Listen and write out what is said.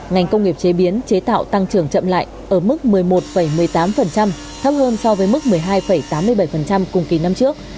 ngành công nghiệp chế biến chế tạo tăng trưởng chậm lại ở mức một mươi một một mươi tám thấp hơn so với mức một mươi hai tám mươi bảy cùng kỳ năm trước